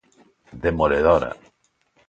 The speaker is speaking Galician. ¡Demoledora!